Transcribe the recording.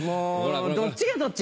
「どっちがどっち？」